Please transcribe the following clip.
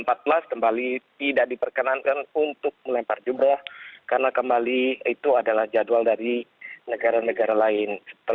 tanggal empat belas kembali tidak diperkenankan untuk melempar jumrah karena kembali itu adalah jadwal dari negara negara lain